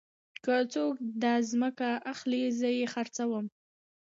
که څوک داځمکه اخلي زه يې خرڅوم.